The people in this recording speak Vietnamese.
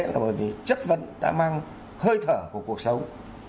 là bởi vì chất vấn đã mang hơi thở của cuộc sống